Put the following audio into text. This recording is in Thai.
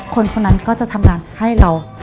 คนคนนั้นก็จะทำงานให้เรา